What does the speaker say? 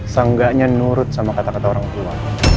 seenggaknya nurut sama kata kata orang tua